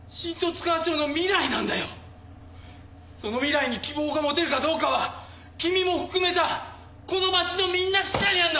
その未来に希望が持てるかどうかは君も含めたこの町のみんな次第なんだ！